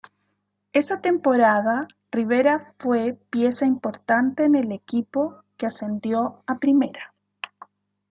Esa temporada Rivera fue pieza importante en el equipo que ascendió a Primera.